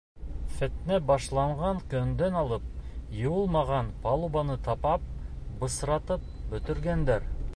Фетнә башланған көндән алып йыуылмаған палубаны тапап, бысратып бөтөргәндәр.